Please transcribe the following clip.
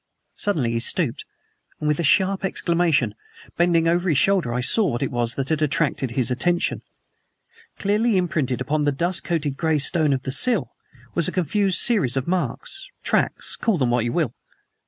Suddenly he stooped, with a sharp exclamation. Bending over his shoulder I saw what it was that had attracted his attention. Clearly imprinted upon the dust coated gray stone of the sill was a confused series of marks tracks call them what you will.